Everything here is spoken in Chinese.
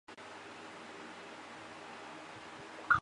第六世洞阔尔活佛是内蒙古茂明安旗人。